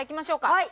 はい。